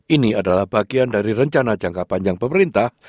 ini adalah bagian dari rencana jangka panjang pemerintah